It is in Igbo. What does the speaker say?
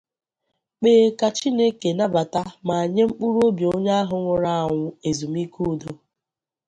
kpee ka Chineke nabata ma nye mkpụrụ obi onye ahụ nwụrụ anwụ ezumike udo